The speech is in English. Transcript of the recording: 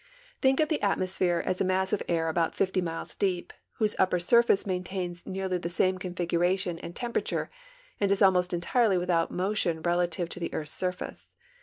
Think of the atmosphere as a mass of air about 50 miles deep, whose upper surface maintains nearly the same configuration and temperature and is almost entirely without motion relative to the earth's surface.